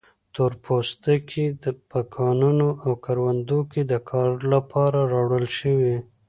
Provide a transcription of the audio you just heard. تور پوستکي په کانونو او کروندو کې د کار لپاره راوړل شوي.